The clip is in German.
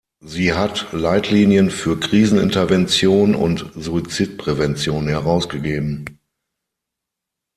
Sie hat Leitlinien für Krisenintervention und Suizidprävention herausgegeben.